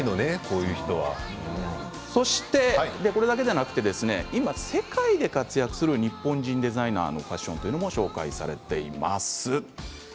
これだけじゃなくて今、世界で活躍する日本人デザイナーのファッションというのも紹介されています。